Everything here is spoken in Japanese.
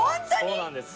そうなんです。